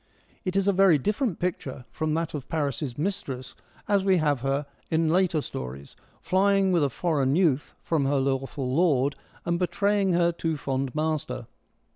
It is a very different picture from that of Paris' mistress, as we have her in later stories, flying with a foreign youth from her lawful lord, and betraying her too fond master.